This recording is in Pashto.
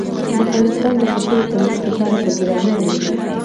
افغانستان د پسه د ترویج لپاره پروګرامونه لري.